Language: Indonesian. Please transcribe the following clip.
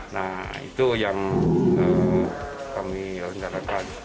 nah itu yang kami rencanakan